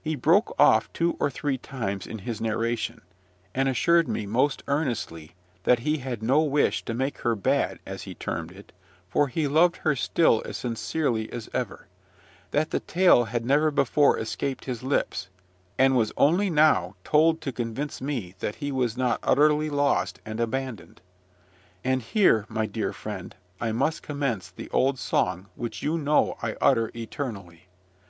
He broke off two or three times in his narration, and assured me most earnestly that he had no wish to make her bad, as he termed it, for he loved her still as sincerely as ever; that the tale had never before escaped his lips, and was only now told to convince me that he was not utterly lost and abandoned. And here, my dear friend, I must commence the old song which you know I utter eternally.